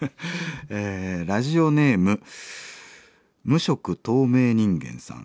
ラジオネーム無色透明人間さん。